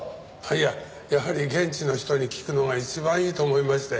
いややはり現地の人に聞くのが一番いいと思いまして。